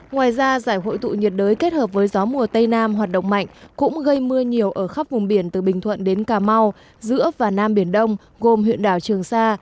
ngoài ra giải hội tụ nhiệt đới kết hợp với gió mùa tây nam hoạt động mạnh cũng gây mưa nhiều ở khắp vùng biển từ bình thuận đến cà mau giữa và nam biển đông gồm huyện đảo trường sa